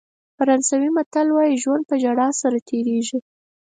فرانسوي متل وایي ژوند په ژړا سره تېرېږي.